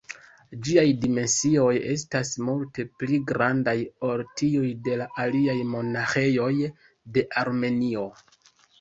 Ĝiaj dimensioj estas multe pli grandaj ol tiuj de la aliaj monaĥejoj de Armenio.